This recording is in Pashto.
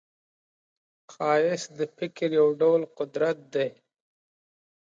ښایست د فکر یو ډول قدرت دی